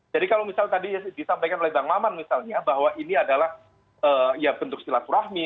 jadi kalau misalnya tadi disampaikan oleh bang laman misalnya bahwa ini adalah bentuk silapurahmi